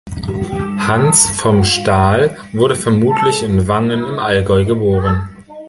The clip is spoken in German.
Hans vom Staal wurde vermutlich in Wangen im Allgäu geboren.